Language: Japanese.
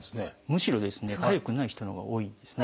むしろかゆくない人のほうが多いですね。